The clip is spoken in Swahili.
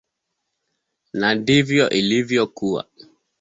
Na ndivyo ilivyokuwa.